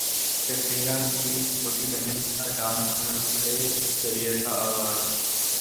کترینہ کی چھوٹی بہن کا ڈانس فلم سے کیریئر کا اغاز